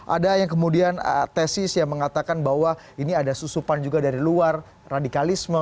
ada yang kemudian tesis yang mengatakan bahwa ini ada susupan juga dari luar radikalisme